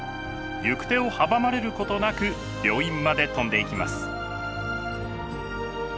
行く手を阻まれることなく病院まで飛んでいきます。